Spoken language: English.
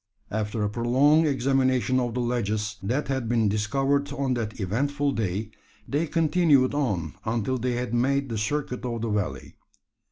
After a prolonged examination of the ledges, that had been discovered on that eventful day, they continued on until they had made the circuit of the valley.